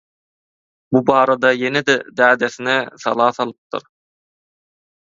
Bu barada ýene-de dädesine sala salypdyr.